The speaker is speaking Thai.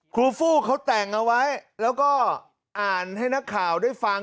ครูฟู้เขาแต่งเอาไว้แล้วก็อ่านให้นักข่าวได้ฟัง